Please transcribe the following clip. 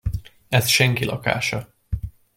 Ez senki lakása.